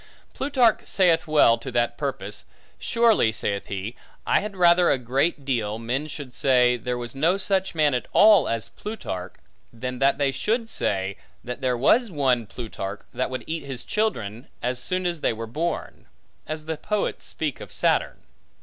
Plutarch saith well to that purpose: Surely (saith he) I had rather a great deal, men should say, there was no such man at all, as Plutarch, than that they should say, that there was one Plutarch, that would eat his children as soon as they were born; as the poets speak of Saturn.